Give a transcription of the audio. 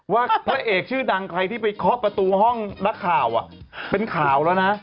พระเอกชื่อดังใครที่ไปเคาะประตูห้องนักข่าวเป็นข่าวแล้วนะ